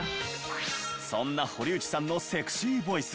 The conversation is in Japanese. そんな堀内さんのセクシーボイス。